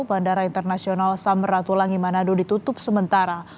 bandara internasional samratulangi manado ditutup sementara